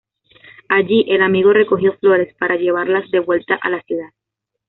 Allí, el amigo recogió flores para llevarlas de vuelta a la ciudad.